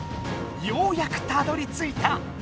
ようやくたどりついた！